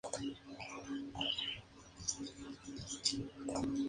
Esta fue la primera acción de su larga carrera de conquista y expansión.